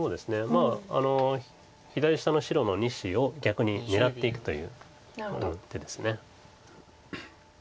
まあ左下の白の２子を逆に狙っていくという手です。